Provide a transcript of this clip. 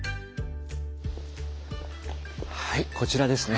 はいこちらですね。